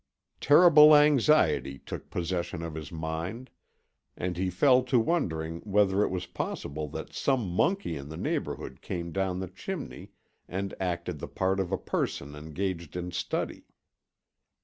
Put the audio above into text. Terrible anxiety took possession of his mind, and he fell to wondering whether it was possible that some monkey in the neighbourhood came down the chimney and acted the part of a person engaged in study.